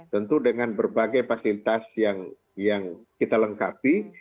tentu dengan berbagai fasilitas yang kita lengkapi